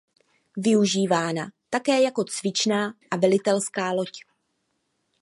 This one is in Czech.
Využívána byla také jako cvičná a velitelská loď.